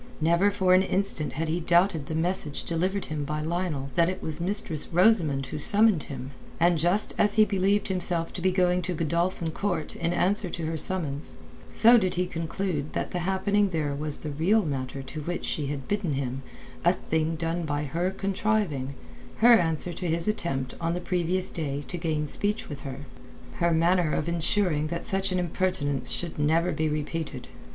Never for an instant had he doubted the message delivered him by Lionel that it was Mistress Rosamund who summoned him. And just as he believed himself to be going to Godolphin Court in answer to her summons, so did he conclude that the happening there was the real matter to which she had bidden him, a thing done by her contriving, her answer to his attempt on the previous day to gain speech with her, her manner of ensuring that such an impertinence should never be repeated.